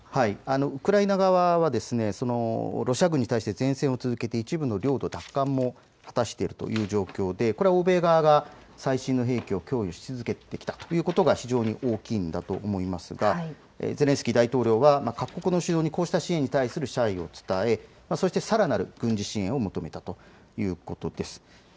ウクライナ側はロシア軍に対して善戦を続けて一部領土奪還を果たしているとという状況で、これは欧米側が最新の兵器を供与し続けてきたということが非常に大きいんだと思いますがゼレンスキー大統領は各国の首脳にこうした支援に対する謝意を伝え、そしてさらなる軍事支援を求めたということです。